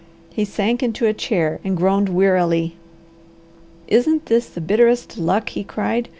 He sank into a chair and groaned wearily. "Isn't this the bitterest luck!" he cried.